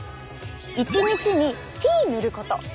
１日にＴ塗ること！